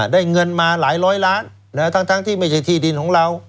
ได้เงินมาหลายร้อยล้านทั้งที่ไม่ใช่ที่ดินของเรา